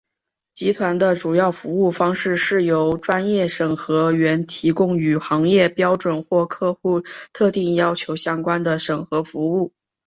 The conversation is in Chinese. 集团的主要服务方式是由专业审核员提供与行业标准或客户特定要求相关的审核服务。